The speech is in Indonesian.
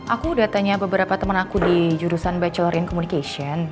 aku udah tanya beberapa temen aku di jurusan batchorin communication